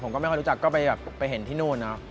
ก็ไม่รู้จักก็ไปแบบไปเห็นที่นู่นเนอะ